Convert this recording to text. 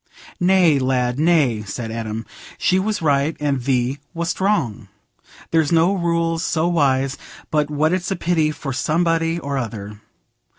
"Nay, lad, nay," said Adam, "she was right and thee wast wrong. There's no rules so wise but what it's a pity for somebody or other.